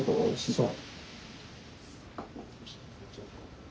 そう。